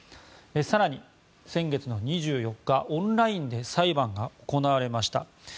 更に先月２４日、オンラインで裁判が行われました。